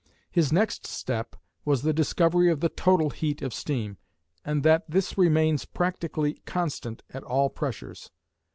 His next step was the discovery of the total heat of steam, and that this remains practically constant at all pressures.